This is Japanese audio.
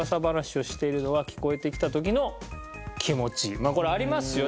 まあこれありますよね。